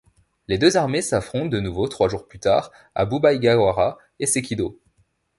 Les deux armées s'affrontent de nouveau trois jours plus tard à Bubaigawara et Sekido.